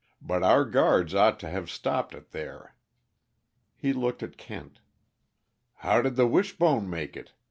But our guards ought to have stopped it there." He looked at Kent. "How did the Wishbone make it?"